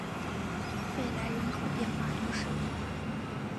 贝莱人口变化图示